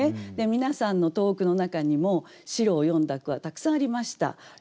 皆さんの投句の中にも「白」を詠んだ句はたくさんありました。